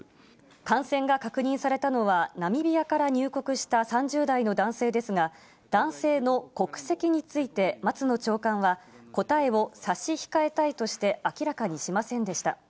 感染が確認されたのは、ナミビアから入国した３０代の男性ですが、男性の国籍について松野長官は、答えを差し控えたいとして、明らかにしませんでした。